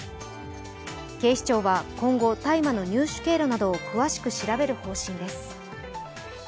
警視庁は今後、大麻の入手経路などを詳しく調べる方針です。